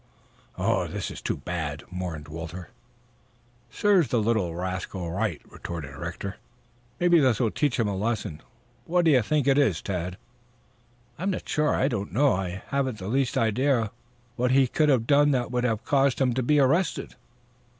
"Oh, this is too bad," mourned Walter. "Serves the little rascal right," retorted Rector. "Maybe this will teach him a lesson. What do you think it is, Tad?" "I am sure I don't know. I haven't the least idea what he could have done that would have caused him to be arrested."